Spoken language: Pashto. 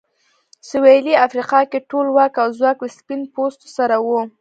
سوېلي افریقا کې ټول واک او ځواک له سپین پوستو سره و.